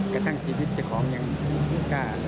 กระทั่งชีวิตของยังโฮฮะฮ่า